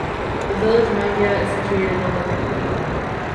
The village Maggia is situated on the river.